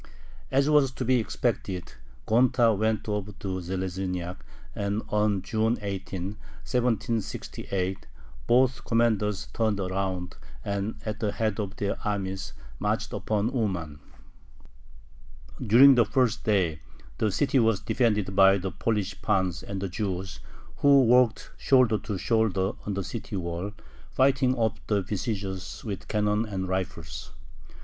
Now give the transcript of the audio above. As was to be expected, Gonta went over to Zheleznyak, and on June 18, 1768, both commanders turned around and, at the head of their armies, marched upon Uman. During the first day the city was defended by the Polish pans and the Jews, who worked shoulder to shoulder on the city wall, fighting off the besiegers with cannon and rifles.